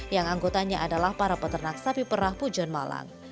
yang anggotanya adalah para peternak sapi perah pujon malang